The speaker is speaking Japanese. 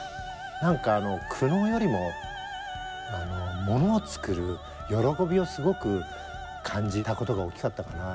なんかあの苦悩よりもあのものをつくる喜びをすごく感じたことが大きかったかな。